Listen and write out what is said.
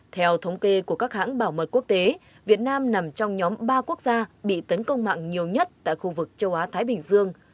theo thống kê của các hãng bảo mật quốc tế việt nam nằm trong nhóm ba quốc gia bị tấn công mạng nhiều nhất tại khu vực châu á thái bình dương